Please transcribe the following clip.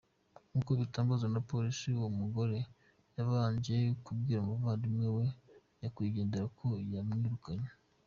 Nkuko bitangazwa na polisi, uwo mugore yabanje kubwira umuvandimwe wa nyakwigendera ko yamwirukanye.